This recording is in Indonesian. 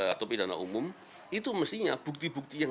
atau pidana umum itu mestinya bukti bukti yang